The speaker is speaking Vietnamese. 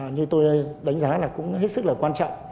như tôi đánh giá là cũng hết sức là quan trọng